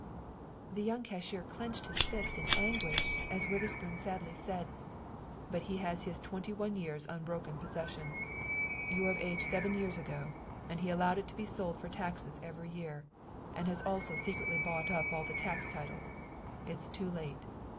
The young cashier clenched his fists in anguish, as Witherspoon sadly said: "But he has had twenty one years' unbroken possession. You were of age seven years ago, and he allowed it to be sold for taxes every year, and has also secretly bought up all the tax titles. It is too late.